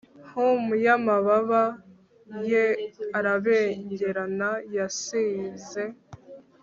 hum yamababa ye arabengerana, yasinze